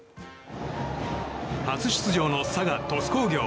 初出場の佐賀・鳥栖工業。